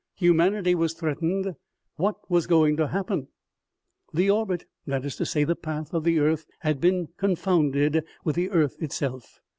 Humanity was threatened. What was going to happen ? The orbit, that is to say the path, of the earth had been confounded with the earth itself.